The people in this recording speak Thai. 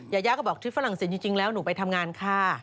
ยายาก็บอกที่ฝรั่งเศสจริงแล้วหนูไปทำงานค่ะ